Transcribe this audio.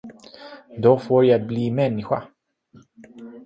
Då får jag bli människa!